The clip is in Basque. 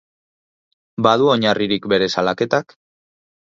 Badu oinarririk bere salaketak?